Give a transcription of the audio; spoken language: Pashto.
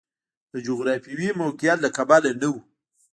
د جغرافیوي موقعیت له کبله نه و.